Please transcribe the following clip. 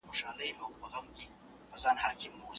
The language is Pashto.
څه چې حتی په سل زرګونه لغات او الفاظ او کلمات زده کول